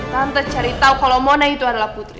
tante cari tau kalau mona itu adalah putri